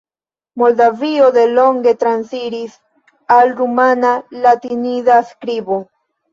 Moldavio delonge transiris al rumana latinida skribo.